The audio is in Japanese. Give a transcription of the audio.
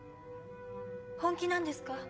本気なんですか？